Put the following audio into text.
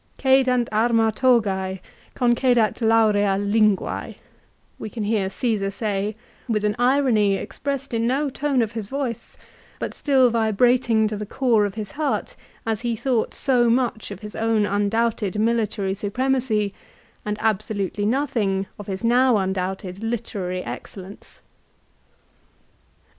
" Cedant arma togse concedat laurea linguae," we can hear Ceesar say with an irony expressed in no tone of his voice, but still vibrating to the core of his heart as he thought so much of his own undoubted military supremacy, and absolutely nothing of his now undoubted literary excellence.